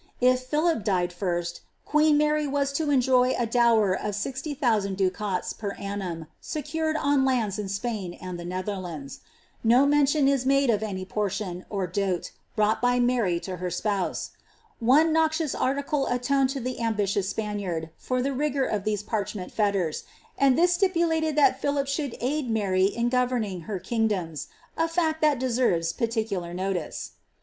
If Philip died first, queen MiiT was to enjoy a dower of 60,000 ducats per annam, seciued on hndi ■ Spain and the Netherlands. No mention is made of any portioB,€r daie^ brought by Mary to her spouse. One noxious article atoned IoiIm ambitious Spaniard for the rigour of tlieae parchment fetters, and ihii stipulated that Philip should aid Maiy in governing' her kingdoms—! fact that deserves particular notice.